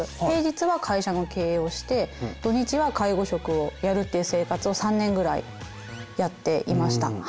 平日は会社の経営をして土日は介護職をやるっていう生活を３年ぐらいやっていました。